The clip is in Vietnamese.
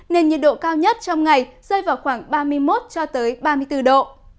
nền nhiệt độ cao nhất trong ngày rơi vào khoảng ba mươi một cho tới ba mươi bốn độ